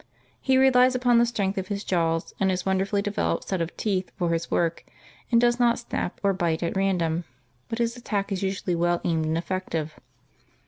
He relies upon the strength of his jaws and his wonderfully developed set of teeth for his work and does not snap or bite at random, but his attack is usually well aimed and effective.